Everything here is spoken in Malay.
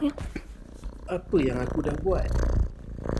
Apa yang aku dah buat.